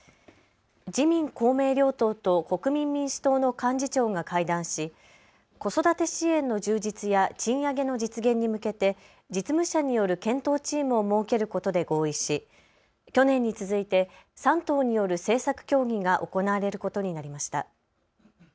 自民・公明両党と国民民主党の幹事長が会談し、子育て支援の充実や賃上げの実現に向けて実務者による検討チームを設けることで合意し去年に続いて３党による政策協議が行われることになりました。